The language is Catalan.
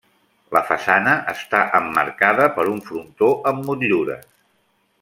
La façana està emmarcada per un frontó amb motllures.